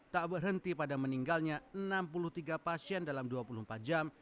tak berhenti pada meninggalnya enam puluh tiga pasien dalam dua puluh empat jam